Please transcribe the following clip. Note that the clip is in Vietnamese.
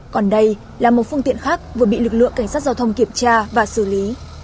còn đây là một phương tiện khác vừa bị lực lượng cảnh sát giao thông kiểm tra và xử lý